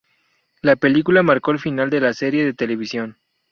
La película marcó el final de la serie de televisión.